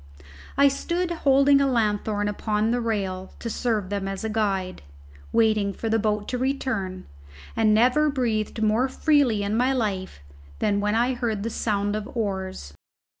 I stood holding a lanthorn upon the rail to serve them as a guide, waiting for the boat to return, and never breathed more freely in my life than when I heard the sound of oars.